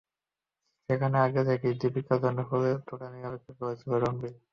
সেখানে আগে থেকেই দীপিকার জন্য ফুলের তোড়া নিয়ে অপেক্ষা করছিলেন রণবীর।